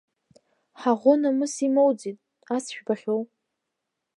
Ҳаӷоу намыс имоуӡеит, ас жәбахьоу.